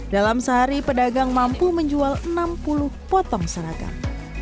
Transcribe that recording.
dalam sehari pedagang mampu menjual enam puluh potong seragam